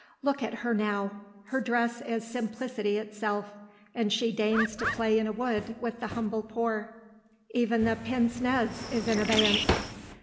Look at her now; her dress is simplicity itself, and she deigns to play in a wood with the humble poor. Even the pince nez is in abeyance.